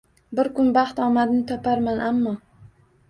Bir kun baxt omadni toparman ammo